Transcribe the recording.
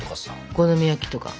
お好み焼きとか。